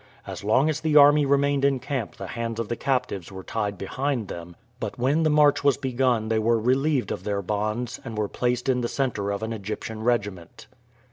As long as the army remained in camp the hands of the captives were tied behind them, but when the march was begun they were relieved of their bonds and were placed in the center of an Egyptian regiment.